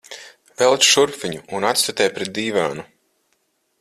Velc šurp viņu un atstutē pret dīvānu.